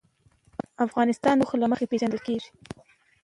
افغانستان د اوښ له مخې پېژندل کېږي.